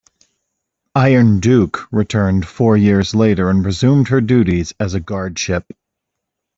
"Iron Duke" returned four years later and resumed her duties as a guardship.